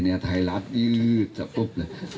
คนนี้ภักดิ์เนี่ยอกหลาเลยเนี่ยไทยรัฐยืดจะปุ๊บเลย